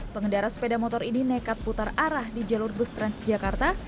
pengendara sepeda motor ini nekat putar arah di jalur bus transjakarta